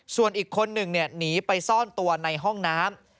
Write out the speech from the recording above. ส่วนอีกคนหนึ่งหนีไปซ่อนตัวในห้องน้ำ